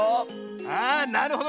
ああなるほどね。